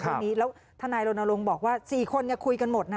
แล้วธนายโรนโลงบอกว่า๔คนคุยกันหมดนะ